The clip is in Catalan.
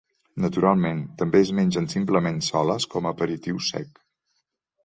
Naturalment, també es mengen simplement soles com a aperitiu sec.